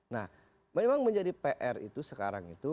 nah memang menjadi pr itu sekarang itu